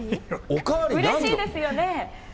うれしいですよね。